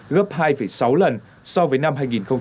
gấp hai sáu lần so với năm hai nghìn một mươi